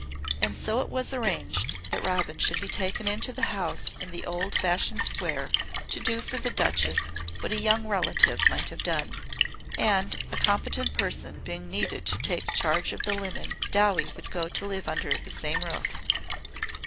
And so it was arranged that Robin should be taken into the house in the old fashioned square to do for the Duchess what a young relative might have done. And, a competent person being needed to take charge of the linen, "Dowie" would go to live under the same roof.